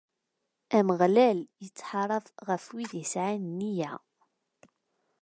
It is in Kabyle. Ameɣlal ittḥarab ɣef wid yesɛan nniya.